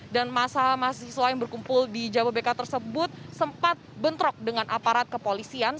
dan masa mahasiswa yang berkumpul di jababeka tersebut sempat bentrok dengan aparat kepolisian